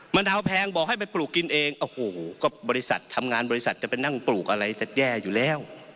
มันเอาแพงบอกให้ไปปลูกกินเองโอ้โหก็บริษัททำงานบริษัทจะไปนั่งปลูกอะไรจะแย่อยู่แล้ว